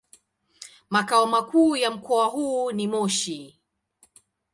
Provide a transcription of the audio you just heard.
Makao makuu ya mkoa huu ni Moshi.